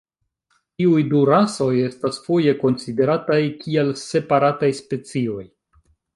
Tiuj du rasoj estas foje konsiderataj kiel separataj specioj.